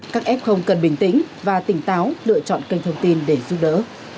các f cần bình tĩnh và tỉnh táo lựa chọn kênh thông tin để giúp đỡ